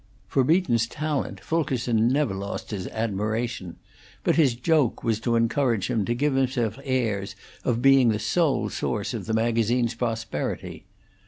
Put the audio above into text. For Beaton's talent Fulkerson never lost his admiration; but his joke was to encourage him to give himself airs of being the sole source of the magazine's prosperity.